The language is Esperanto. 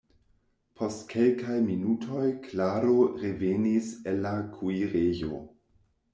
Post kelkaj minutoj Klaro revenis el la kuirejo.